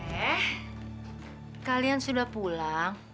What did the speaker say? eh kalian sudah pulang